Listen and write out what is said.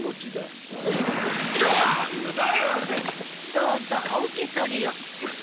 どうぞお受け取りを。